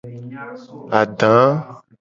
Ada.